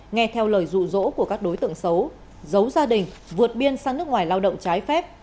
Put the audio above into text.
nghe theo lời rụ rỗ của các đối tượng xấu giấu gia đình vượt biên sang nước ngoài lao động trái phép